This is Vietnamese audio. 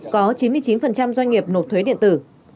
có chín mươi chín doanh nghiệp nộp thuế điện tử